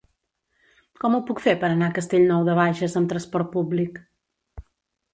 Com ho puc fer per anar a Castellnou de Bages amb trasport públic?